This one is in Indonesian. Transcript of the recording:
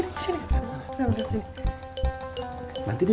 masa sudah ini pertarungan utama kita